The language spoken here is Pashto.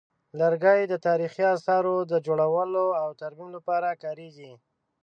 لرګي د تاریخي اثارو د جوړولو او ترمیم لپاره کارېږي.